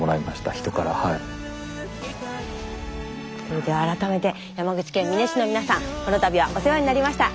それでは改めて山口県美祢市のみなさんこの度はお世話になりました。